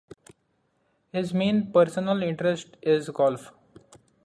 His main personal interest is golf.